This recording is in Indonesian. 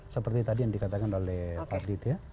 seperti tadi yang dikatakan oleh pak dit